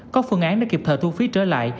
có phương án để kịp thời thu phí trở lại